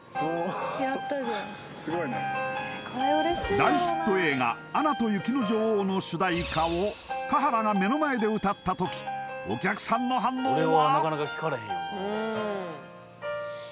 大ヒット映画「アナと雪の女王」の主題歌を華原が目の前で歌った時お客さんの反応は？